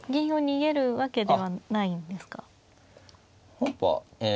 本譜はえ。